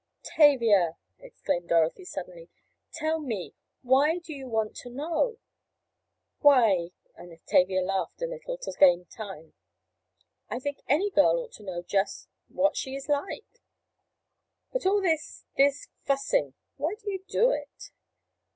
"Tavia," exclaimed Dorothy suddenly, "tell me, why do you want to know?" "Why," and Tavia laughed a little to gain time, "I think any girl ought to know just—what she is like." "But all this—this fussing. Why do you do it?"